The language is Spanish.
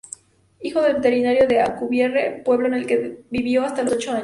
Hijo del veterinario de Alcubierre, pueblo en el que vivió hasta los ocho años.